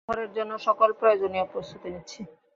আমরা এই ঝড়ের জন্য সকল প্রয়োজনীয় প্রস্তুতি নিচ্ছি।